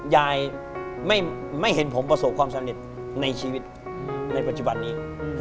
ยายไม่เห็นผมประสบความสำเร็จในชีวิตในปัจจุบันนี้